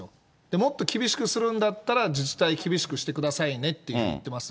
もっと厳しくするんだったら、自治体、厳しくしてくださいねって言ってます。